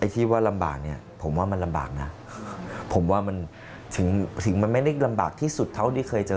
ถือมาไม่ได้ลำบากที่สุดเท่าที่เคยเจอ